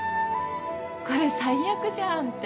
これ最悪じゃんって。